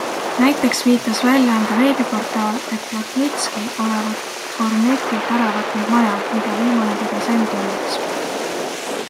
Näiteks viitas väljaande veebiportaal, et Plotnitski olevat Kornetilt ära võtnud maja, mida viimane pidas enda omaks.